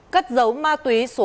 cắt dấu ma túy số sáu